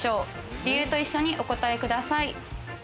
理由と一緒にお答えください。